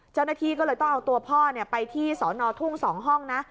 เจ้าหน้าที่ก็เลยต้องเอาตัวพ่อไปที่สอนอทุ่ง๒ห้องนะ